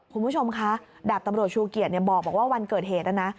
คุณผู้ชมคะดาบตำรวจชูเกียจบอกว่าวันเกิดเหตุนะนะ